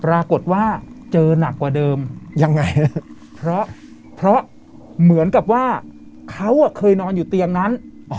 ปรากฏว่าเจอหนักกว่าเดิมยังไงเพราะเหมือนกับว่าเขาเคยนอนอยู่เตียงนั้น